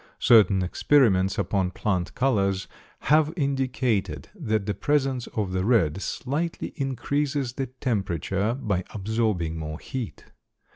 Certain experiments upon plant colors have indicated that the presence of the red slightly increases the temperature by absorbing more heat.